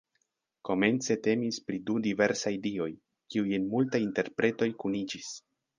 Komence temis pri du diversaj dioj, kiuj en multaj interpretoj kuniĝis.